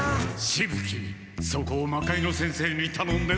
しぶ鬼そこを魔界之先生にたのんでなんとか。